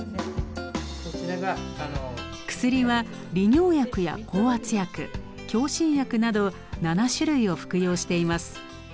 薬は利尿薬や降圧薬強心薬など７種類を服用しています。